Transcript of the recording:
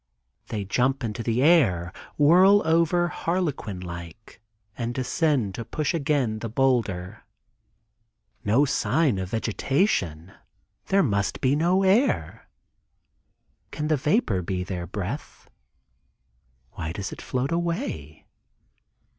They jump into the air, whirl over harlequin like and descend to push again the boulder. No sign of vegetation; there must be no air. Can the vapor be their breath? Why does it not float away?